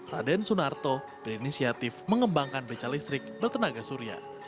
raden sunarto berinisiatif mengembangkan beca listrik bertenaga surya